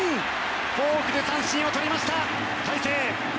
フォークで三振をとりました大勢！